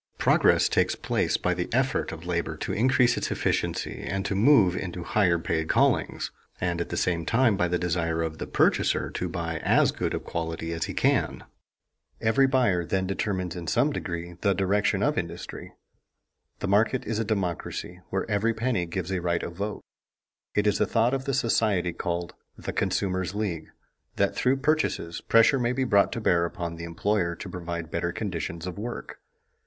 Progress takes place by the effort of labor to increase its efficiency and to move into higher paid callings, and at the same time by the desire of the purchaser to buy as good a quality as he can. [Sidenote: The consumer's responsibility] Every buyer then determines in some degree the direction of industry. The market is a democracy where every penny gives a right of vote. It is the thought of the society called "The Consumers' League" that through purchases, pressure may be brought to bear upon the employer to provide better conditions of work.